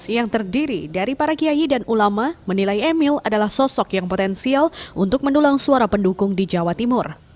yang terdiri dari para kiai dan ulama menilai emil adalah sosok yang potensial untuk mendulang suara pendukung di jawa timur